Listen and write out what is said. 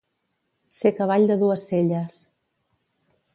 Ser cavall de dues selles.